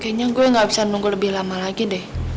kayaknya gue gak bisa nunggu lebih lama lagi deh